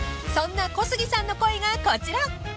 ［そんな小杉さんの声がこちら］